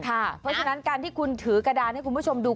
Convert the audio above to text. เพราะฉะนั้นการที่คุณถือกระดานให้คุณผู้ชมดู